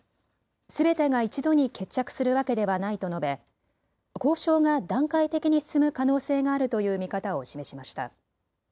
すべてが一度に決着するわけではないと述べ、交渉が段階的に進む可能性があるという見方を示しました。